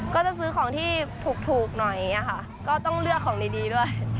ก็จะซื้อของที่ถูกหน่อยอย่างนี้ค่ะก็ต้องเลือกของดีด้วย